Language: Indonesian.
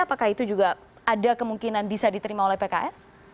apakah itu juga ada kemungkinan bisa diterima oleh pks